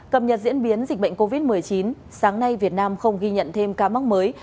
cập nhật diễn biến dịch bệnh covid một mươi chín sáng nay việt nam không ghi nhận thêm ca mắc mới